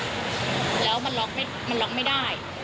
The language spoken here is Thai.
แล้วมันล็อกไม่ได้